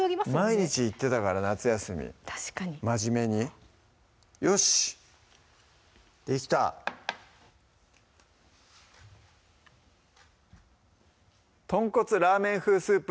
毎日行ってたから夏休み真面目によしっできた「とんこつラーメン風スープ」